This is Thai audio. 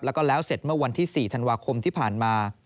แล้วก็แล้วเสร็จเมื่อวันที่๔ธันวาคมที่ผ่านมา